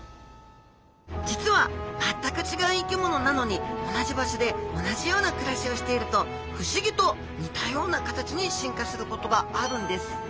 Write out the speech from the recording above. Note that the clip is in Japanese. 実は全く違う生き物なのに同じ場所で同じような暮らしをしていると不思議と似たような形に進化することがあるんです。